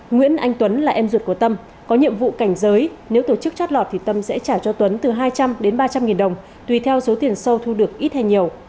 nguyễn anh tuấn là em ruột của tâm có nhiệm vụ cảnh giới nếu tổ chức chót lọt thì tâm sẽ trả cho tuấn từ hai trăm linh đến ba trăm linh nghìn đồng tùy theo số tiền sâu thu được ít hay nhiều